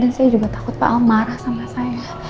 dan saya juga takut pak al marah sama saya